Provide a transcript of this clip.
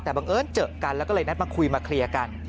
แต่บังเอิญเจอกันแล้วก็เลยนัดมาคุยมาเคลียร์กัน